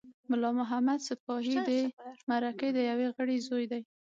ملا محمد ساپي د مرکې د یوه غړي زوی دی.